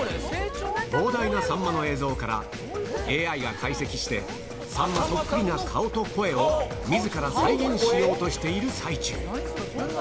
膨大なさんまの映像から、ＡＩが解析して、さんまそっくりな顔と声をみずから再現しようとしている最中。